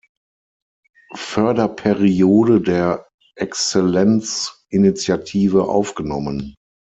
Förderperiode der Exzellenzinitiative aufgenommen.